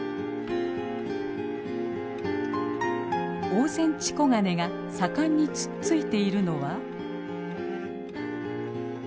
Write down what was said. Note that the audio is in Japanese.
オオセンチコガネが盛んにつっついているのは。